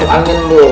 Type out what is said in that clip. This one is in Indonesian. udah masuk angin bu